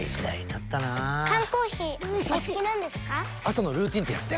朝のルーティンってやつで。